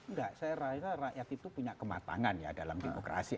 enggak saya rasa rakyat itu punya kematangan ya dalam demokrasi